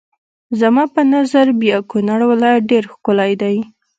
زما په نظر بیا کونړ ولایت ډېر ښکلی دی.